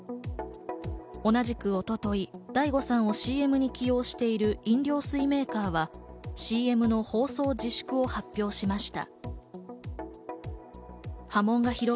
同じく一昨日、ＤａｉＧｏさんをＣＭに起用している飲料水メーカーはＣＭの放送自粛を発表しました。